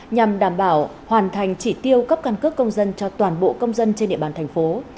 nhằm đảm bảo hoàn thành chỉ tiêu cấp căn cước công dân cho toàn bộ công dân trên địa bàn thành phố